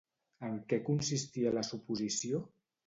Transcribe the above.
En què consistia la suposició?